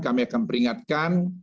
kami akan peringatkan